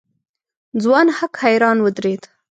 ځوان هک حيران ودرېد.